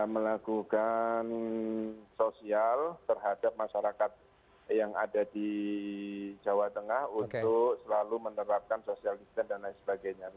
melakukan sosial terhadap masyarakat yang ada di jawa tengah untuk selalu menerapkan social distancing dan lain sebagainya